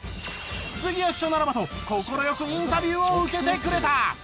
杉谷記者ならばと快くインタビューを受けてくれた。